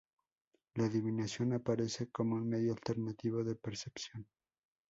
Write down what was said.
La adivinación aparece como un medio alternativo de percepción.